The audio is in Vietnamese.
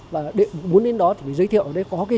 và muốn đến đó thì phải giới thiệu có cái gì đáng xem đáng mua